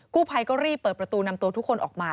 กู้ภัยก็รีบเปิดประตูนำตัวทุกคนออกมา